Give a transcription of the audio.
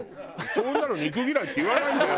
「そんなの肉嫌いって言わないんだよ！」